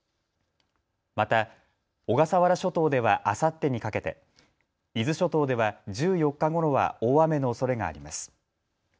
また小笠原諸島ではあさってにかけて、伊豆諸島では１４日ごろは大雨のおそれがあります。